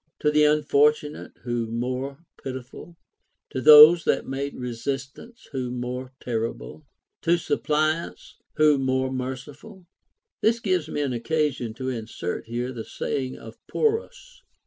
To the unfortunate who more pitiful ? To those that made resistance who more terrible? To suppliants who more OF ALEXANDER THE GREAT. 489 merciful ? This gives me an occasion to insert here the saying of Porus.